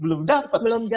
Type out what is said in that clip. belum jelas ya